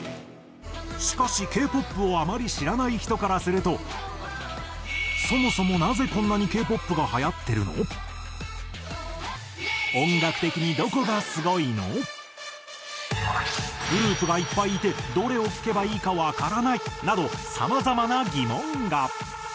しかしＫ−ＰＯＰをあまり知らない人からするとそもそもグループがいっぱいいてどれを聴けばいいかわからないなどさまざまな疑問が。